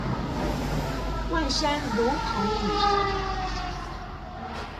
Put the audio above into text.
萬山魯凱語